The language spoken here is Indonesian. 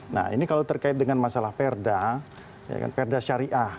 nah ini kalau terkait dengan masalah perda perda syariah